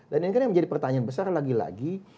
dan ini kan yang menjadi pertanyaan besar lagi lagi